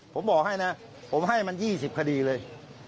ผมบอกให้นะผมให้มัน๒๐คดีเลย